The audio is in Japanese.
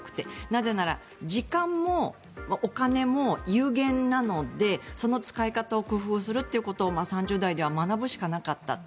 なぜなら時間もお金も有限なのでその使い方を工夫するということを３０代では学ぶしかなかった。